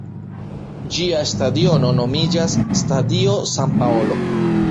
Ĝia stadiono nomiĝas "Stadio San Paolo".